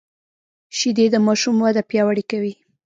شیدې د ماشوم وده پیاوړې کوي